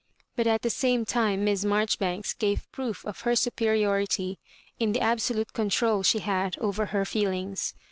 But at the same tiur ^'.iss Marjoribanks gave proof of her superiority in the absfiolute control she had over her feelings.